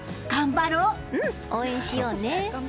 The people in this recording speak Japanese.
うん、応援しようね。